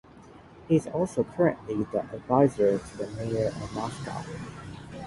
He is also currently the advisor to the Mayor of Moscow.